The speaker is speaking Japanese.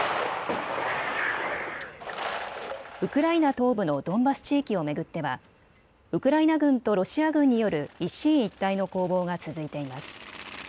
ウクライナ東部のドンバス地域を巡ってはウクライナ軍とロシア軍による一進一退の攻防が続いています。